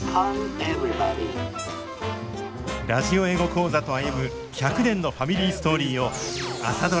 「ラジオ英語講座」と歩む１００年のファミリーストーリーを「朝ドラ」